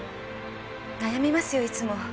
悩みますよいつも。